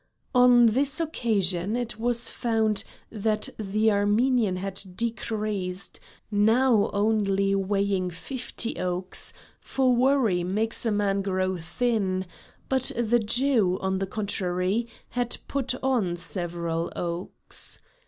On this occasion it was found that the Armenian had decreased, now only weighing fifty okes, for worry makes a man grow thin; but the Jew, on the contrary, had put on several okes.